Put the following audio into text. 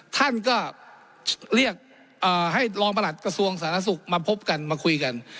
ท่านก็เรียกให้รองประหลัดกระทรวงสาธารณสุขมาพบกันมาคุยกัน